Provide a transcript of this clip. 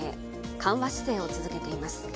緩和姿勢を続けています。